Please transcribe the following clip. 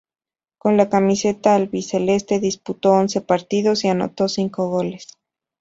Con la camiseta albiceleste disputó once partidos y anotó cinco goles.